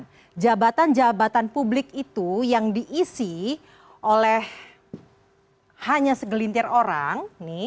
nah jabatan jabatan publik itu yang diisi oleh hanya segelintir orang